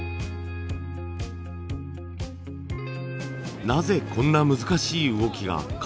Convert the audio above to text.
なぜこんな難しい動きが可能なのか。